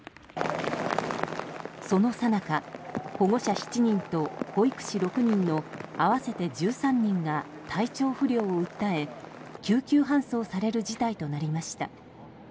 その最中、保護者７人と保育士６人の合わせて１３人が体調不良を訴え、救急搬送される事態となりました。